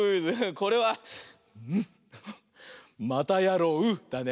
これは「またやろう」だね。